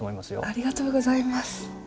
ありがとうございます。